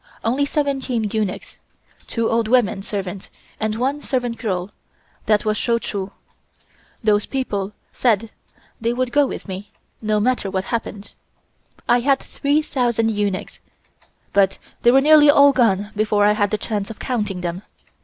Only seventeen eunuchs, two old women servants and one servant girl, that was Sho Chu. Those people said they would go with me, no matter what happened. I had 3,000 eunuchs, but they were nearly all gone before I had the chance of counting them.